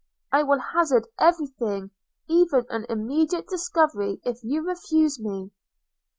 – I will hazard every thing, even an immediate discovery, if you refuse me.'